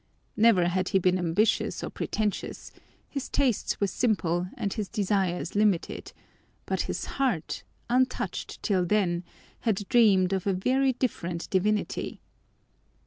Never had he been ambitious or pretentious; his tastes were simple and his desires limited; but his heart, untouched till then, had dreamed of a very different divinity.